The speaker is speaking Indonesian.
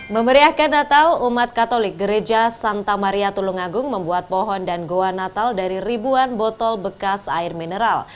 memeriahkan natal umat katolik gereja santa maria tulungagung membuat pohon dan goa natal dari ribuan botol bekas air mineral